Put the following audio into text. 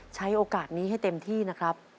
ใช้โอกาสนี้ให้เต็มที่นะครับ